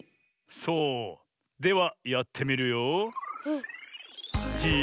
そうではやってみるよ。